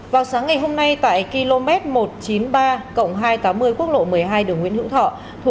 vào sáng ngày hôm nay tại km một trăm chín mươi ba hai trăm tám mươi quốc lộ một mươi hai đường nguyễn hữu thọ